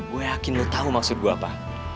gue yakin lo tahu maksud gue apa